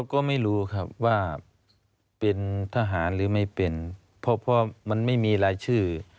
ก็ไม่รู้ครับว่าเป็นทหารหรือไม่เป็นเพราะมันไม่มีรายชื่อ